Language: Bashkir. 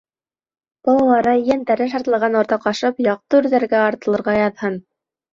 Балалары, ейәндәре шатлығын уртаҡлашып яҡты үрҙәргә артылырға яҙһын!